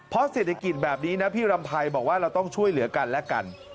เพราะเศรษฐกิจแบบนี้นะพี่รำไพรบอกว่าเราต้องช่วยเหลือกันและกัน